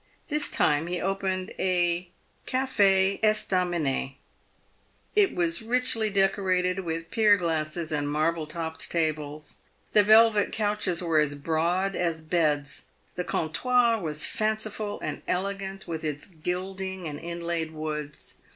This time he opened a cafe estaminet. It was richly decorated with pier glasses and marble topped tables. The velvet couches were as broad as beds. The comptoir was fanciful and elegant, with its gilding and inlaid woods.